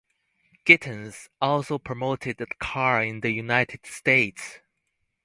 Gittens also promoted the car in the United States.